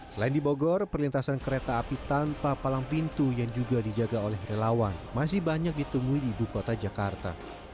selain di bogor perlintasan kereta api tanpa palang pintu yang juga dijaga oleh relawan masih banyak ditemui di ibu kota jakarta